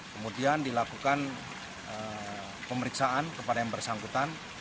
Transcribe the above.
kemudian dilakukan pemeriksaan kepada yang bersangkutan